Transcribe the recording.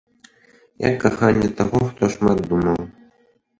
Як каханне таго, хто шмат думаў.